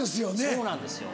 そうなんですよ。